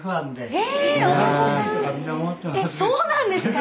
えっそうなんですか？